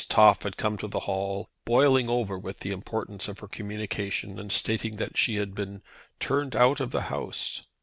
Toff had come to the Hall, boiling over with the importance of her communication, and stating that she had been turned out of the house.